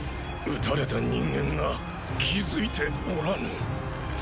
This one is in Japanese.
撃たれた人間が気付いておらぬ。